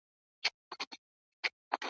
نه پیسې لرم اونه یې درکومه ,